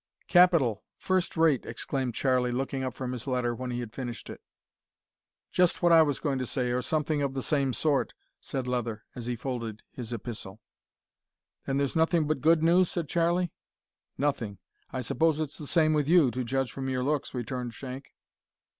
"Capital first rate!" exclaimed Charlie, looking up from his letter when he had finished it. "Just what I was going to say, or something of the same sort," said Leather, as he folded his epistle. "Then there's nothing but good news?" said Charlie. "Nothing. I suppose it's the same with you, to judge from your looks," returned Shank.